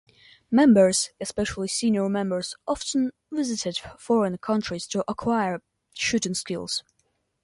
Members, especially senior members often visited foreign countries to acquire shooting skills.